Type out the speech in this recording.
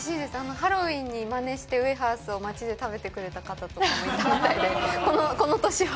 ハロウィーンにまねしてウエハースを街で食べてくれた方とかもいて、この年は。